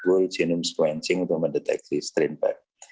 world genome sequencing untuk mendeteksi strain bug